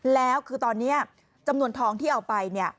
แล้วคือตอนนี้จำนวนทองที่เอาไป